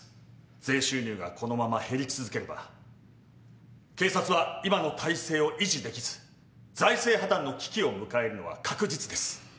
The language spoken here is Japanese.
税収入がこのまま減り続ければ警察は今の体制を維持できず財政破綻の危機を迎えるのは確実です。